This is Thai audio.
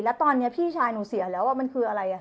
แล้วตอนนี้พี่ชายหนูเสียแล้วมันคืออะไร